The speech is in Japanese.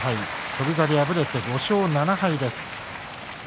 翔猿は敗れて５勝７敗。